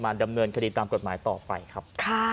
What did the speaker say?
มาดำเนินคดีตามกลมต่อไปครับ